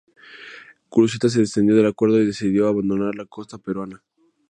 Guruceta se desentendió del acuerdo y decidió abandonar la costa peruana.